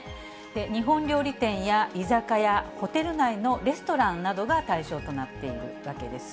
日本料理店や居酒屋、ホテル内のレストランなどが対象となっているわけです。